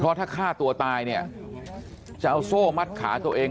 ถ้าฆ่าตัวตายเนี่ยจะเอาโซ่มัดขาตัวเอง